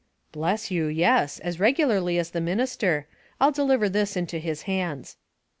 '' Bless you, yes ; as regularly as the minister. I'll deliver this into his hands."